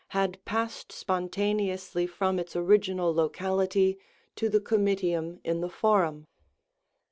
311 passed spontaneously from its original locality72 to the Comi tium in the Forum.